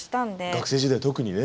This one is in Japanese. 学生時代特にね。